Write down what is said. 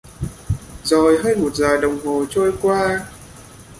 Rồi hơn một giờ đồng hồ trôi qua